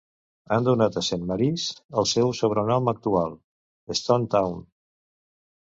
Han donat a Saint Marys el seu sobrenom actual: Stonetown.